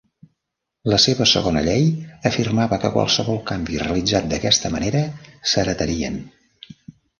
La seva segona llei afirmava que qualsevol canvi realitzat d'aquesta manera s'heretarien.